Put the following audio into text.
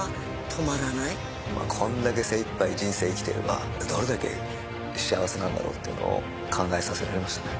こんだけ精いっぱい人生生きてればどれだけ幸せなんだろうってのを考えさせられましたね。